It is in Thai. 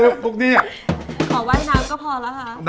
อันนี้คืออันนี้คือ